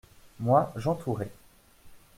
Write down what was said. Moi, j’entourais.